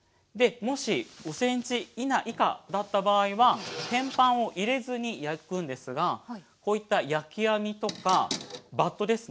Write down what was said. もし５ｃｍ以下だった場合は天板を入れずに焼くんですがこういった焼き網とかバットですね。